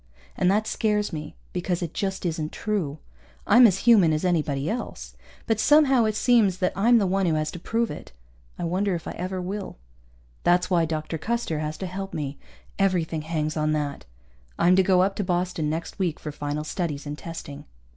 And that scares me because it just isn't true. I'm as human as anybody else. But somehow it seems that I'm the one who has to prove it. I wonder if I ever will. That's why Dr. Custer has to help me. Everything hangs on that. I'm to go up to Boston next week, for final studies and testing.